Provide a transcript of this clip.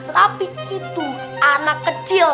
tapi itu anak kecil